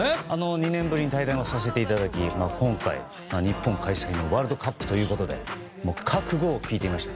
２年ぶりに対談をさせていただき今回、日本開催のワールドカップということで覚悟を聞いてきました。